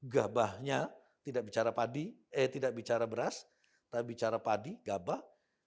gabahnya tidak bicara beras tapi bicara padi gabah